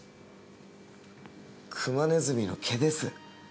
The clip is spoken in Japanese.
クマネズミの毛です。